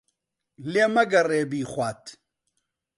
لێ مەگەڕێ بیخوات.